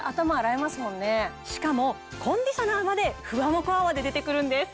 しかもコンディショナーまでふわもこ泡で出てくるんです。